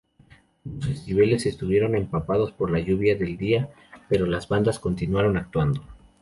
Ambos festivales estuvieron empapados por la lluvia del día, pero las bandas continuaron actuando.